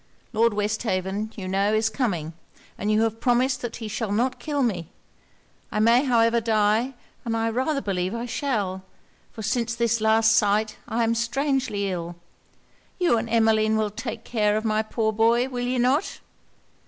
Lord Westhaven, you know, is coming; and you have promised that he shall not kill me. I may however die; and I rather believe I shall; for since this last sight I am strangely ill. You and Emmeline will take care of my poor boy, will ye not?